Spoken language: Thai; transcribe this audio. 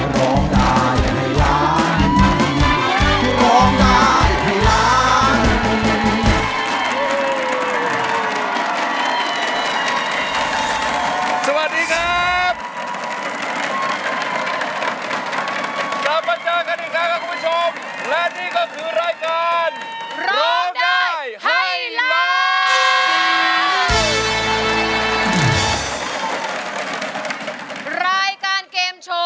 รอมได้ให้ล้าน